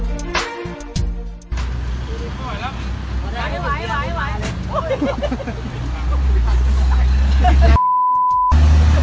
เบียร์ไหนเบียร์ช้า